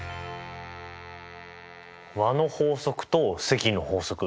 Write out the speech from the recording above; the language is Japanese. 和の法則と積の法則。